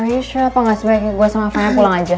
are you sure apa gak sebaiknya gue sama fanya pulang aja